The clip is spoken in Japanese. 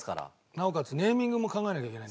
なおかつネーミングも考えなきゃいけない。